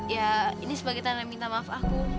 ya ini sebagai tanda minta maaf aku